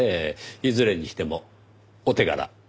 いずれにしてもお手柄。